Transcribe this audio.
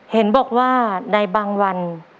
เห็นบอกว่าในบางวัน